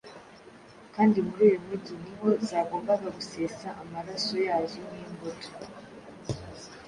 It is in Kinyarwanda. kandi muri uyu mujyi ni ho zagombaga gusesa amaraso yazo nk’imbuto